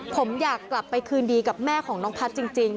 ผมอยากกลับไปคืนดีกับแม่ของน้องพัฒน์จริง